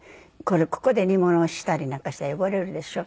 ここで煮物をしたりなんかしたら汚れるでしょ。